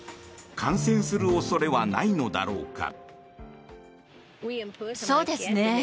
感染する恐れはないのだろうか。